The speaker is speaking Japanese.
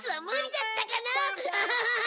アハハハ。